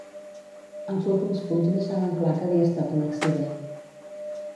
Els últims fulls deixaven clar que havia estat un accident.